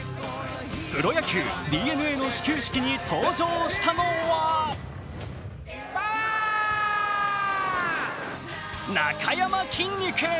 プロ野球、ＤｅＮＡの始球式に登場したのはなかやまきんに君。